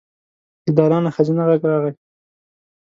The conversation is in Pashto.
له دالانه ښځينه غږ راغی.